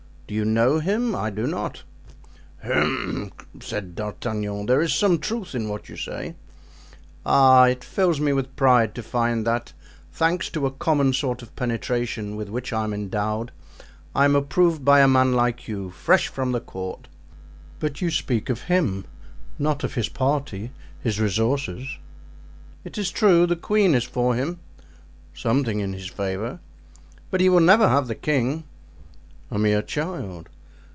Do you know him? I do not." "Hem!" said D'Artagnan, "there is some truth in what you say." "Ah! it fills me with pride to find that, thanks to a common sort of penetration with which I am endowed, I am approved by a man like you, fresh from the court." "But you speak of him, not of his party, his resources." "It is true—the queen is for him." "Something in his favor." "But he will never have the king." "A mere child."